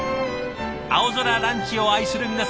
青空ランチを愛する皆さん